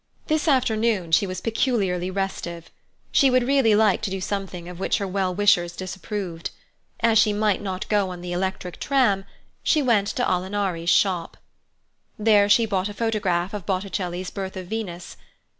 This afternoon she was peculiarly restive. She would really like to do something of which her well wishers disapproved. As she might not go on the electric tram, she went to Alinari's shop. There she bought a photograph of Botticelli's "Birth of Venus."